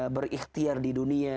berikhtiar di dunia